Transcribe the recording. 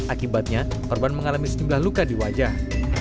akibatnya korban mengalami sejumlah luka di wajah